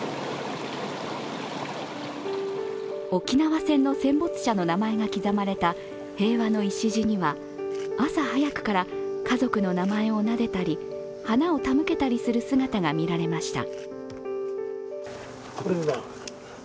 沖縄戦の戦没者の名前が刻まれた平和の礎には朝早くから家族の名前をなでたり花を手向けたりする姿がみられました。